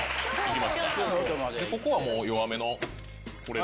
ここはもう、弱めのこれで。